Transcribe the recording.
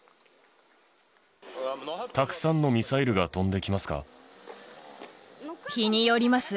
たくさんのミサイルが飛んで日によります。